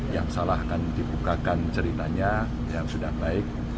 yang salah akan dibukakan ceritanya yang sudah baik